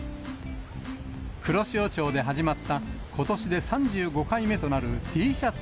黒潮町で始まった、ことしで３５回目となるＴシャツ